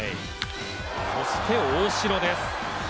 そして大城です。